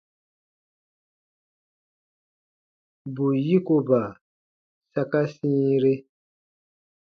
Bù yikoba saka sĩire.